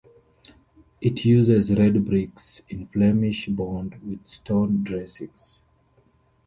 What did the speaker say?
It uses red bricks in Flemish Bond with stone dressings.